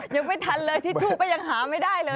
ยังไม่ทันเลยทิชชู่ก็ยังหาไม่ได้เลย